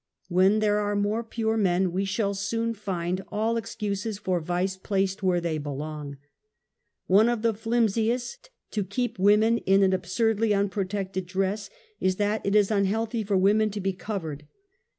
"When there are more pure men we shall soon find all ex cuses for vice placed where they belong. One of the llimsiest to keep women in an absurdly unprotected dress, is that it is unhealthy for women to be cov ered.